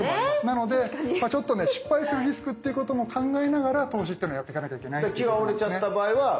なのでちょっとね失敗するリスクっていうことも考えながら投資ってのをやってかなきゃいけないってことなんですね。